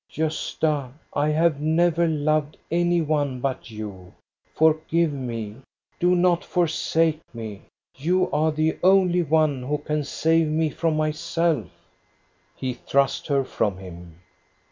" Gosta, I have never loved any one but you. For give me. Do not forsake me! You are the only one who can save me from myself." THE AUCTION AT BJORNE 1 65 He thrust her from him.